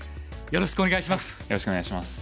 よろしくお願いします。